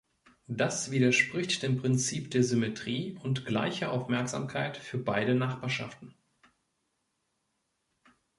Das widerspricht dem Prinzip der Symmetrie und gleicher Aufmerksamkeit für beide Nachbarschaften.